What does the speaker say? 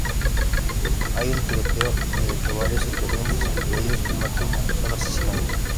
Hay un tiroteo en el que varios insurgentes, entre ellos Matheu, son asesinados.